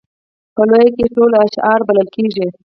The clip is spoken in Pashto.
په لویه کې ټول اشاعره بلل کېږي.